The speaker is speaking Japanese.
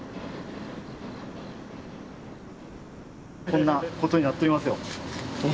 こんなことになっとりますよ。